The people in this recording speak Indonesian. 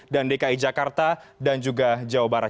dan dki jakarta dan juga jawa barat